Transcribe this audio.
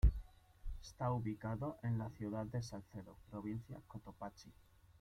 Está ubicado en la ciudad de Salcedo, provincia de Cotopaxi.